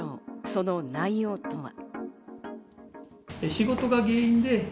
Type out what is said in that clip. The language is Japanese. その内容とは。